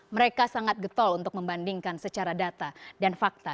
mereka sangat getol untuk membandingkan secara data dan fakta